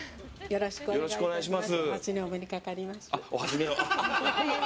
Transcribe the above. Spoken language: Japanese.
よろしくお願いします。